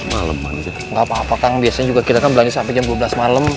gak apa apa kang biasanya kita kan belanji sampai jam dua belas malam